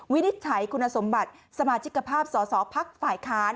วินิจฉัยคุณสมบัติสมาชิกภาพสอสอภักดิ์ฝ่ายค้าน